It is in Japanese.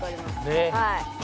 はい。